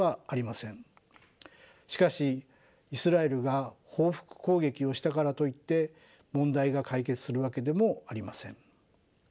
しかしイスラエルが報復攻撃をしたからといって問題が解決するわけでもありません。